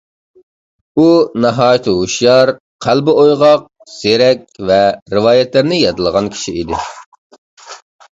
ئۇ ناھايىتى ھوشيار، قەلبى ئويغاق، زېرەك ۋە رىۋايەتلەرنى يادلىغان كىشى ئىدى.